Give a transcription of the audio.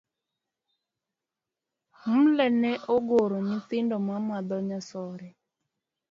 Mle ne ogoro nyithindo mane madho nyasore.